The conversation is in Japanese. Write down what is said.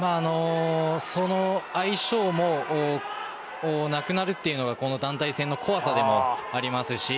その相性もなくなるというのが団体戦の怖さでもあります。